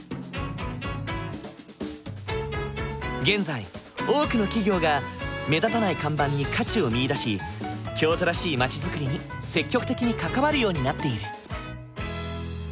現在多くの企業が目立たない看板に価値を見いだし京都らしい街づくりに積極的に関わるようになっている。